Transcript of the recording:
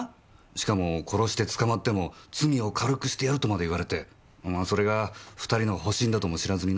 しかも殺して捕まっても罪を軽くしてやるとまで言われてそれが２人の保身だとも知らずにな。